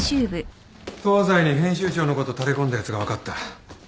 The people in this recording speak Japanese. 『東西』に編集長のこと垂れ込んだやつが分かった。